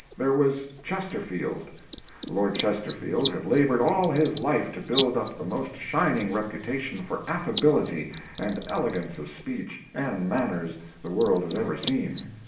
There was Chesterfield. Lord Chesterfield had laboured all his life to build up the most shining reputation for affability and elegance of speech and manners the world has ever seen.